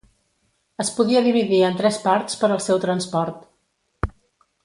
Es podia dividir en tres parts per al seu transport.